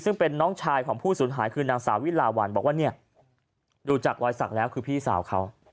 ซึ่งเป็นน้องชายของผู้สูญหายคือนางสาวิลาวันบอกว่าเนี่ยดูจากรอยสักแล้วคือพี่สาวเขา